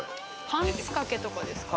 パンツかけとかですか？